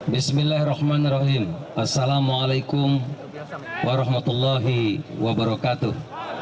bismillahirrahmanirrahim assalamualaikum warahmatullahi wabarakatuh